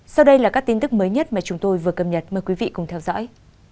sau đây là các tin tức mới nhất mà chúng tôi vừa cập nhật mời quý vị cùng theo dõi